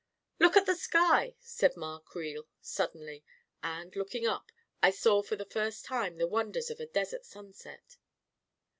" Look at the sky! " said Ma Creel suddenly, and, looking up, I saw for the first time, the wonders of a desert sunset